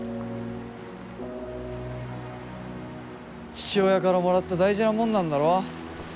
父親からもらった大事なもんなんだろ。